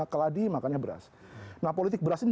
keladi makannya beras nah politik beras ini